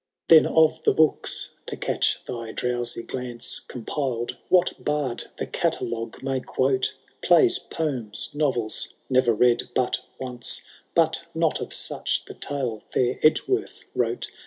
Then of the books, to catch thy drowsy glance Compiled, what bard the catalogue may quote ! Plays, poems, novels, never read but once *,— But not of such the tale fair Edgeworth wrote.